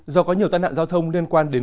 do có nhiều tai nạn giao thông liên quan đến